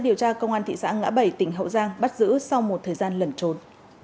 điều tra công an thị xã ngã bảy tỉnh hậu giang bắt giữ sau một thời gian lẩn trốn